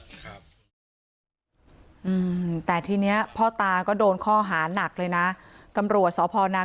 เนื้อแต่ทีนี้พ่อตาก็โดนข้อหาหลักเลยนะ